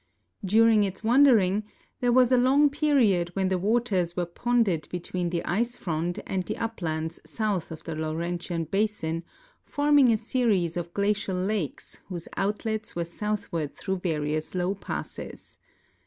During its wan ing there was a long period when the waters were ponded between the ice front and the uplands south of the Laurentian basin, form ing a series of glacial lakes whose outlets were southward through various low passes.